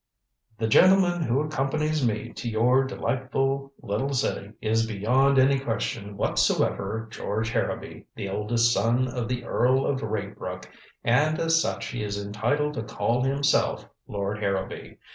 The gentleman who accompanies me to your delightful little city is beyond any question whatsoever George Harrowby, the eldest son of the Earl of Raybrook, and as such he is entitled to call himself Lord Harrowby.